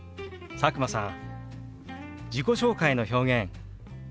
佐久間さん